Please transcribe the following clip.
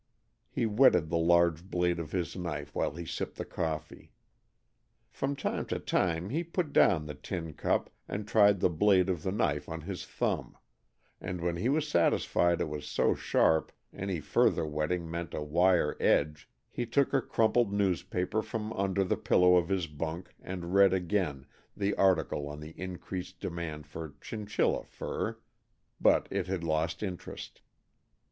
He whetted the large blade of his knife while he sipped the coffee. From time to time he put down the tin cup and tried the blade of the knife on his thumb, and when he was satisfied it was so sharp any further whetting meant a wire edge, he took a crumpled newspaper from under the pillow of his bunk and read again the article on the increased demand for chinchilla fur, but it had lost interest.